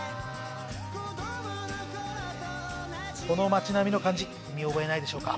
この街並みの感じ見覚えないでしょうか？